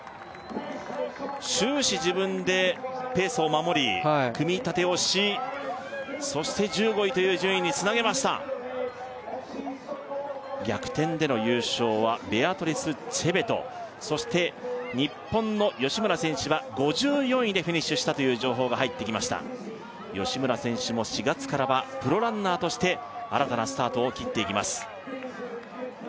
終始自分でペースを守りはい組み立てをしそして１５位という順位につなげました逆転での優勝はベアトリス・チェベトそして日本の吉村選手は５４位でフィニッシュしたという情報が入ってきました吉村選手も４月からはプロランナーとして新たなスタートを切っていきます